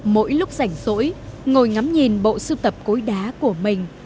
mỗi lúc rảnh rỗi ngồi ngắm nhìn bộ sưu tập cối đá của mình